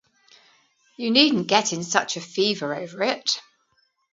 You needn’t get in such a fever over it.